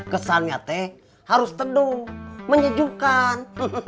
kesannya teh harus teduh menyejukkan